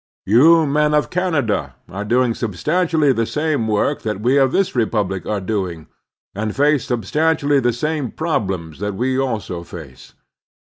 You, men of Canada, are doing substantially the same work that we of this republic are doing, and face substantially the same problems that we also face.